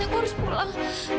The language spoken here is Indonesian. aku harus pulang